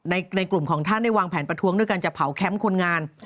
ในกลุ่มของท่านได้วางแผนประท้วงด้วยการจะเผาแคมป์คนงาน